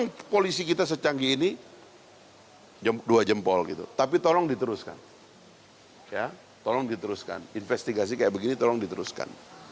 tolong diteruskan investigasi kayak begini tolong diteruskan